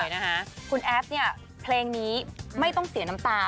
นะคะคุณแอฟเนี่ยเพลงนี้ไม่ต้องเสียน้ำตา